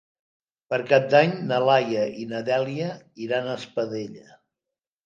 Per Cap d'Any na Laia i na Dèlia iran a Espadella.